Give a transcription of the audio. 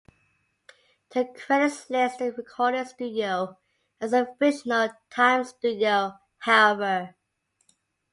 The credits list the recording studio as the fictional "Time Studio", however.